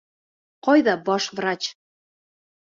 Ҡайҙа баш врач?